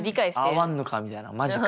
合わんのかみたいなマジか。